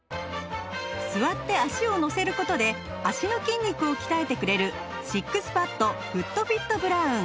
座って足を乗せる事で足の筋肉を鍛えてくれるシックスパッドフットフィットブラウン